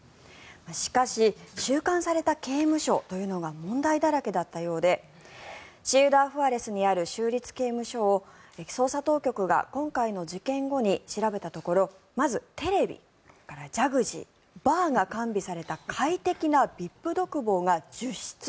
しかし収監された刑務所というのは問題だらけだったようでシウダーフアレスにある州立刑務所を捜査当局が今回の事件後に調べたところまず、テレビ、ジャグジーバーが完備された快適なＶＩＰ独房が１０室。